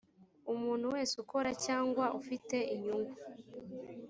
umuntu wese ukora cyangwa ufite inyungu